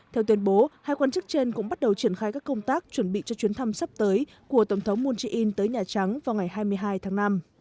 theo tuyên bố hai quan chức trên cũng bắt đầu triển khai các công tác chuẩn bị cho chuyến thăm sắp tới của tổng thống moon jae in tới nhà trắng vào ngày hai mươi hai tháng năm